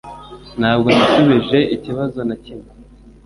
Ntabwo nasubije ikibazo na kimwe